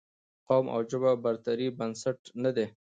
قوم او ژبه د برترۍ بنسټ نه دي